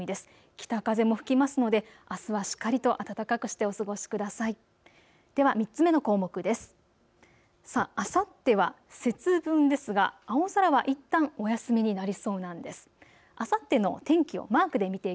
北風も吹きますので、あすはしっかりと暖かくしてお過ごしください。